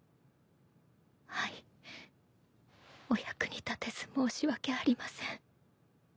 はいお役に立てず申し訳ありません。